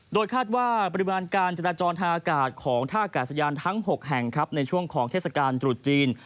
โดยคาดว่าปริมาณการจราจรทางอากาศของท่ากาศยานทั้ง๖แห่งครับในช่วงของเทศกาลตรุษจีน